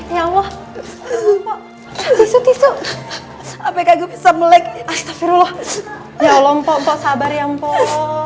ya allah mpok sabar ya mpok